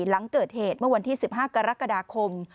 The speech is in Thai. หลังเกิดเหตุเมื่อวันที่๑๕กรกฎาคม